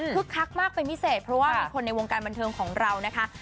คักมากเป็นพิเศษเพราะว่ามีคนในวงการบันเทิงของเรานะคะ